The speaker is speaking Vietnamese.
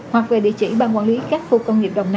hoặc về địa chỉ ban quản lý các khu công nghiệp đồng nai